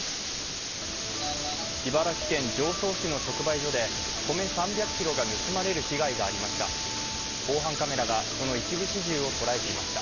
茨城県常総市の直売所で米３００ｋｇが盗まれる被害がありました。